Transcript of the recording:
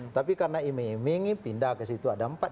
tapi karena iming iming pindah ke situ ada empat